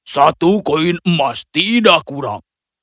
satu koin emas tidak kurang